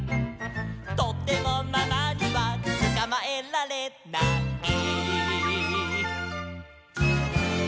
「とてもママにはつかまえられない」